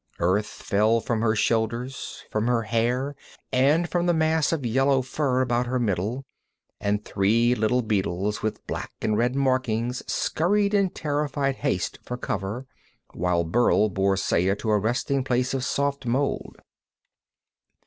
Earth fell from her shoulders, from her hair, and from the mass of yellow fur about her middle, and three little beetles with black and red markings scurried in terrified haste for cover, while Burl bore Saya to a resting place of soft mold.